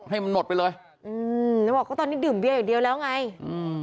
ให้มันหมดไปเลยอืมแล้วบอกก็ตอนนี้ดื่มเบียอย่างเดียวแล้วไงอืม